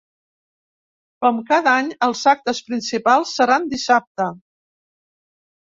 Com cada any, els actes principals seran dissabte.